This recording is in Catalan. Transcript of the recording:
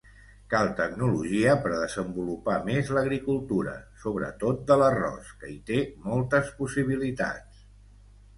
Cal tecnologia per a desenvolupar més l'agricultura, sobretot de l'arròs, que hi té moltes possibilitats.